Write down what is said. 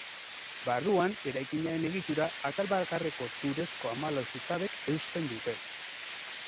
Barruan, eraikinaren egitura, atal bakarreko zurezko hamalau zutabek eusten dute.